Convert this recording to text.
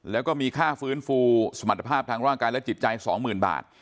แล้วก็มีค่าฟื้นฟูสมรรถภาพทางร่างกายและจิตใจ๒๐๐๐บาท